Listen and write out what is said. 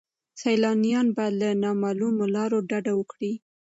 سیلانیان باید له نامعلومو لارو ډډه وکړي.